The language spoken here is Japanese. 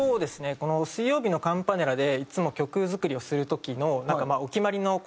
この水曜日のカンパネラでいつも曲作りをする時のお決まりのシステムがあって。